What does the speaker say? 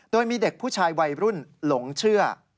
โดยมีเด็กผู้ชายวัยรุ่นหลงเชื่อ